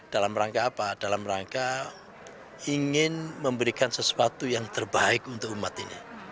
dalam rangka apa dalam rangka ingin memberikan sesuatu yang terbaik untuk umat ini